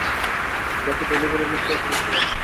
যাতে ডেলিভারির নিশ্চয়তা দিতে পারে।